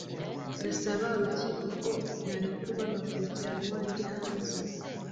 ndasaba urukiko ko narekurwa ngakurikiranywa ndi hanze